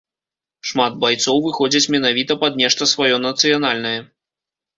Шмат байцоў выходзяць менавіта пад нешта сваё нацыянальнае.